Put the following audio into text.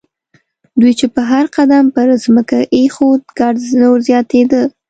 دوی چې به هر قدم پر ځمکه اېښود ګرد نور زیاتېده.